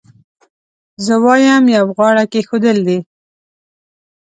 زه وایم یو غاړه کېښودل دي.